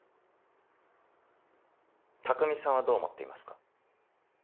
匠さんはどう思っていますか？